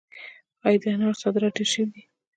آیا د انارو صادرات ډیر شوي دي؟